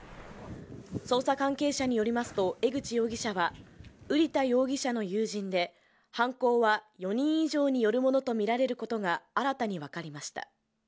捜査関係者によりますと江口容疑者は瓜田容疑者の友人で、犯行は４人以上によるものとみられることが新たに分かりました。